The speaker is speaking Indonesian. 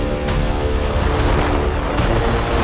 aku akan menangkapmu